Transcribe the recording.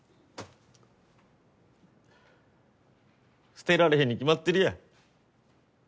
捨てられへんに決まってるやん。